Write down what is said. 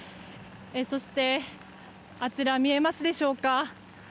そしてあちら見えますでしょうか。